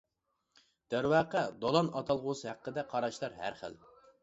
دەرۋەقە، دولان ئاتالغۇسى ھەققىدە قاراشلار ھەر خىل.